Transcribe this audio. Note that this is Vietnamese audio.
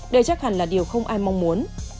đây chắc hẳn là điều không ai mong muốn